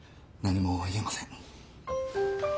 何も言えません。